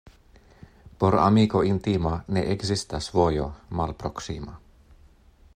Por amiko intima ne ekzistas vojo malproksima.